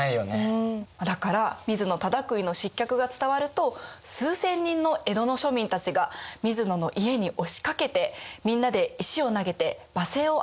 だから水野忠邦の失脚が伝わると数千人の江戸の庶民たちが水野の家に押しかけてみんなで石を投げて罵声を浴びせたらしいよ。